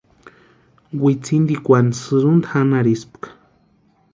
Wintsintikwani sïrunta janharhispka.